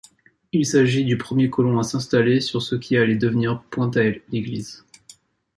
Il s'agit du premier colon à s'installer sur ce qui allait devenir Pointe-à-l'Église.